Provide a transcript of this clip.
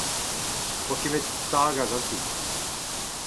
Ne oa ken nemet stagañ ganti.